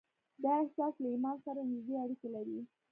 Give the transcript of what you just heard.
دا احساس له ايمان سره نږدې اړيکې لري.